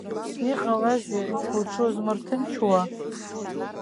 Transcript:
Иҟалазеи уҽузмырҭынчуа?